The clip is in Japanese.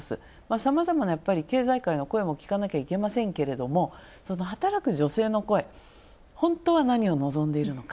さまざまな経済界の声も聞かなきゃいけないですけどその働く女性の声、ほんとは何を望んでいるのか。